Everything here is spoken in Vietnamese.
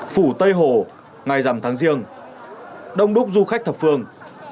phủ tây hồ ngày dằm tháng riêng đông đúc du khách thập phương